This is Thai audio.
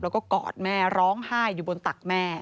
แล้วก็กอดแม่ร้องไห้อยู่บนตักแม่